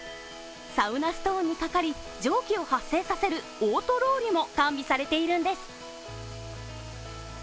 サウナストーンにかかり蒸気を発生させるオートロウリュも完備されているんです。